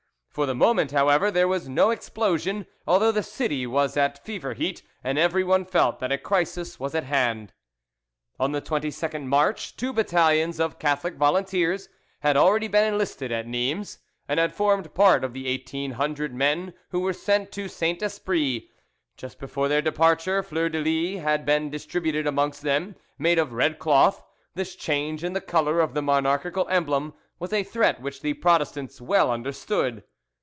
For the moment, however, there was no explosion, although the city was at fever heat, and everyone felt that a crisis was at hand. On the 22nd March two battalions of Catholic volunteers had already been enlisted at Nimes, and had formed part of the eighteen hundred men who were sent to Saint Esprit. Just before their departure fleurs de lys had been distributed amongst them, made of red cloth; this change in the colour of the monarchical emblem was a threat which the Protestants well understood.